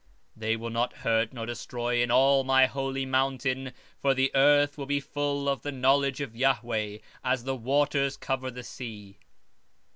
21:9 They shall not hurt nor destroy in all my holy mountain, for the earth shall be full of the knowledge of the Lord, as the waters cover the sea.